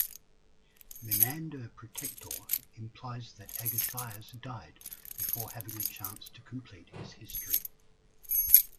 Menander Protector implies that Agathias died before having a chance to complete his history.